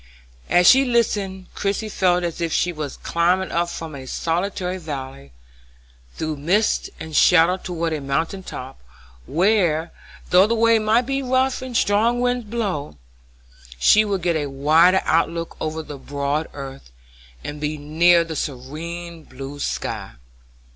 As she listened Christie felt as if she was climbing up from a solitary valley, through mist and shadow toward a mountain top, where, though the way might be rough and strong winds blow, she would get a wider outlook over the broad earth, and be nearer the serene blue sky.